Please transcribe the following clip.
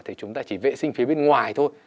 thì chúng ta chỉ vệ sinh phía bên ngoài thôi